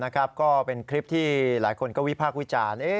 ก็เป็นคลิปที่หลายคนก็วิพากษ์วิจารณ์